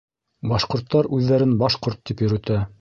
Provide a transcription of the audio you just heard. Башҡорттар үҙҙәрен башҡорт тип йөрөтә